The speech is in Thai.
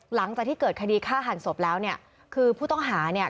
หลังจากที่เกิดคดีฆ่าหันศพแล้วเนี่ยคือผู้ต้องหาเนี่ย